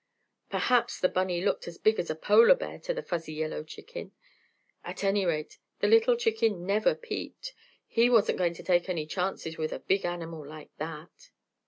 Perhaps the bunny looked as big as a polar bear to the fuzzy yellow chicken. At any rate, the little chicken never peeped! He wasn't going to take any chances with a big animal like that!